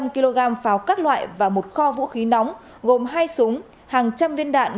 năm kg pháo các loại và một kho vũ khí nóng gồm hai súng hàng trăm viên đạn